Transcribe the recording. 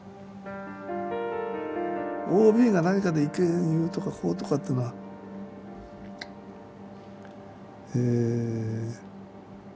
ＯＢが何かで意見言うとかこうとかっていうのはえ